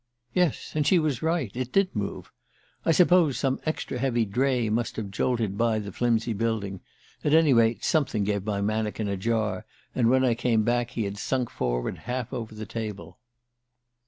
"Yes; and she was right. It did move. I suppose some extra heavy dray must have jolted by the flimsy building at any rate, something gave my mannikin a jar, and when I came back he had sunk forward, half over the table."